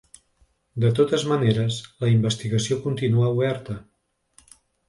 De totes maneres, la investigació continua oberta.